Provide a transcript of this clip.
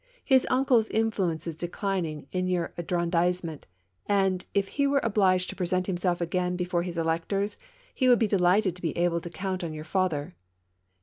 His uncle's influence is declining in your arrondisse ment, and, if he were obliged to present himself again before his electors, he would be delighted to bo able to count on your father.